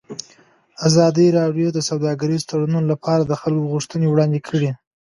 ازادي راډیو د سوداګریز تړونونه لپاره د خلکو غوښتنې وړاندې کړي.